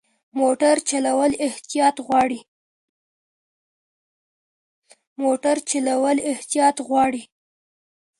موټر چلول احتیاط غواړي.